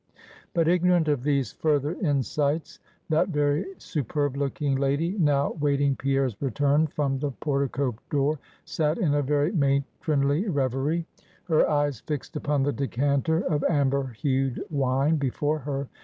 But ignorant of these further insights, that very superb looking lady, now waiting Pierre's return from the portico door, sat in a very matronly revery; her eyes fixed upon the decanter of amber hued wine before her.